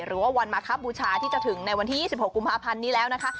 หรือว่าวันมาครับบูชาที่จะถึงในวันที่๒๖กุมภาพันธ์นี้แล้วนะคะ